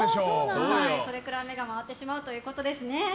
それくらい目が回ってしまうということですね。